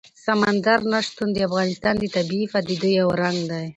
سمندر نه شتون د افغانستان د طبیعي پدیدو یو رنګ دی.